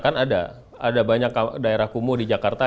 kan ada ada banyak daerah kumuh di jakarta